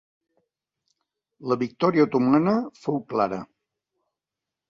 La victòria otomana fou clara.